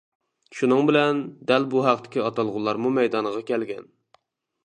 شۇنىڭ بىلەن دەل بۇ ھەقتىكى ئاتالغۇلارمۇ مەيدانغا كەلگەن.